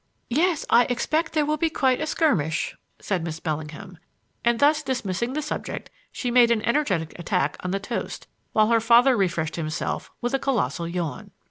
"Yes, I expect there will be quite a skirmish," said Miss Bellingham. And thus dismissing the subject she made an energetic attack on the toast while her father refreshed himself with a colossal yawn.